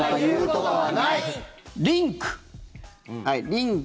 リンク。